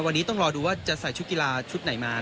วันนี้ต้องรอดูว่าจะใส่ชุดกีฬาชุดไหนมา